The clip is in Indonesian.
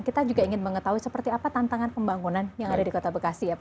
kita juga ingin mengetahui seperti apa tantangan pembangunan yang ada di kota bekasi ya pak